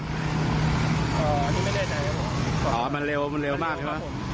อ๋อนี่ไม่ได้ใจครับผมอ๋อมันเร็วเร็วมากใช่ปะ